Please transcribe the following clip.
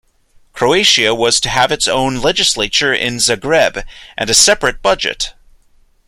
Croatia was to have its own legislature in Zagreb, and a separate budget.